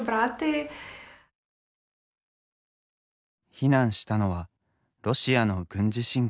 避難したのはロシアの軍事侵攻初日。